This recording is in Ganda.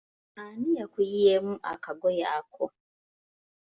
Ani yakuyiyeemu akagoye ako?